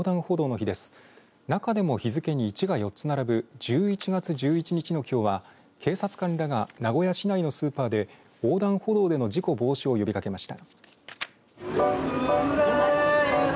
中でも日付に１が４つ並ぶ１１月１１日の、きょうは警察官らが名古屋市内のスーパーで横断歩道での事故防止を呼びかけました。